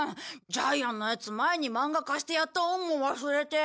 ジャイアンのヤツ前に漫画貸してやった恩も忘れて。